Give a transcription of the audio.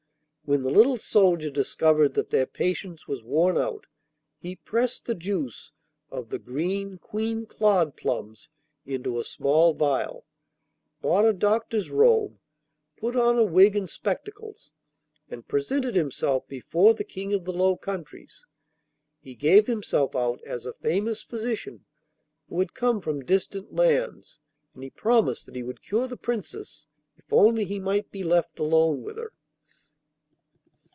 When the little soldier discovered that their patience was worn out, he pressed the juice of the green Queen Claude plums into a small phial, bought a doctor's robe, put on a wig and spectacles, and presented himself before the King of the Low Countries. He gave himself out as a famous physician who had come from distant lands, and he promised that he would cure the Princess if only he might be left alone with her.